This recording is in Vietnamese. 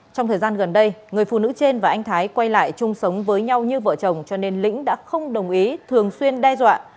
trong thời gian gần đây người phụ nữ trên và anh thái quay lại chung sống với nhau như vợ chồng cho nên lĩnh đã không đồng ý thường xuyên đe dọa